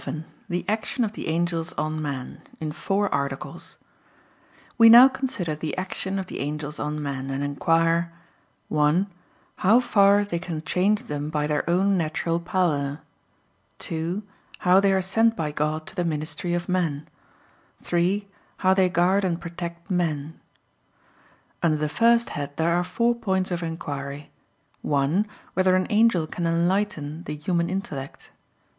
_______________________ QUESTION 111 THE ACTION OF THE ANGELS ON MAN (In Four Articles) We now consider the action of the angels on man, and inquire: (1) How far they can change them by their own natural power; (2) How they are sent by God to the ministry of men; (3) How they guard and protect men. Under the first head there are four points of inquiry: (1) Whether an angel can enlighten the human intellect?